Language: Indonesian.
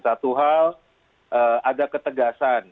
satu hal ada ketegasan